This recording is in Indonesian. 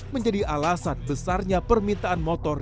menjadi alasan besarnya permintaan motor